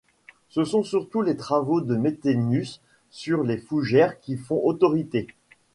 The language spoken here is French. Ce sont surtout les travaux de Mettenius sur les fougères qui font autorité.